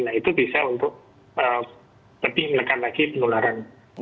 nah itu bisa untuk lebih menekan lagi penularan